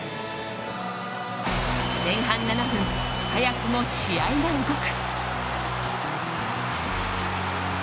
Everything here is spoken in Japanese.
前半７分、早くも試合が動く。